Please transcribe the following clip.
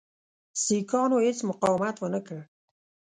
سیکهانو هیڅ مقاومت ونه کړ.